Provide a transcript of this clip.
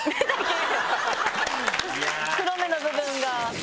黒目の部分が。